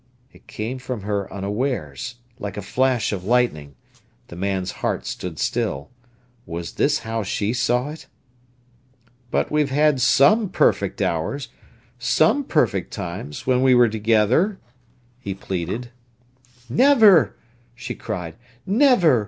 It came from her unawares, like a flash of lightning. The man's heart stood still. Was this how she saw it? "But we've had some perfect hours, some perfect times, when we were together!" he pleaded. "Never!" she cried; "never!